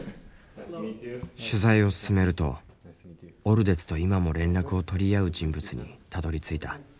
取材を進めるとオルデツと今も連絡を取り合う人物にたどりついた。